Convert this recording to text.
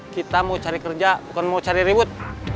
kita mau cari kerja bukan mau cari ribut